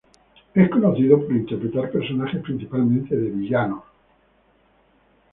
Es conocido por interpretar personajes principalmente de villanos.